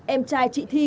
em trai chị thi